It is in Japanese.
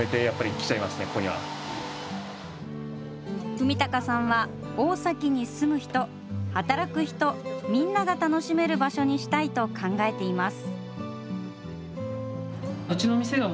文隆さんは、大崎に住む人、働く人、みんなが楽しめる場所にしたいと考えています。